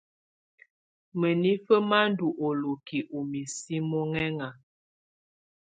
Mǝ́nifǝ́ má ndɔ́ ɔlókiǝ́ ú misi mɔ́ŋɛŋa.